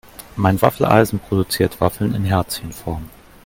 Mein Waffeleisen produziert Waffeln in Herzchenform.